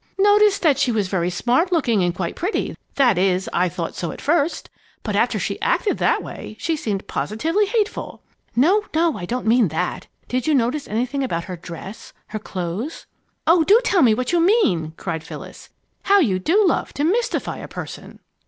"Noticed that she was very smart looking and quite pretty that is, I thought so at first. But after she acted that way, she seemed positively hateful!" "No, no! I don't mean that. Did you notice anything about her dress her clothes?" "Oh, do tell me what you mean!" cried Phyllis. "How you do love to mystify a person!"